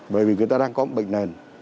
bởi vì người ta đang có bệnh nền